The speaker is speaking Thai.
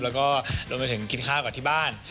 แล้วก็รวมไปถึงกินข้าวกับที่บ้าน